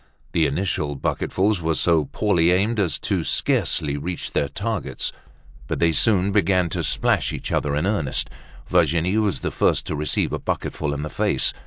The initial bucketfuls were so poorly aimed as to scarcely reach their targets, but they soon began to splash each other in earnest. Virginie was the first to receive a bucketful in the face.